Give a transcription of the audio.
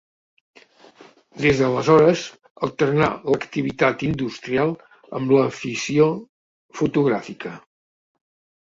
Des d'aleshores, alternà l'activitat d'industrial amb l'afició fotogràfica.